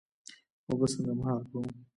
اوبه څنګه مهار کړو؟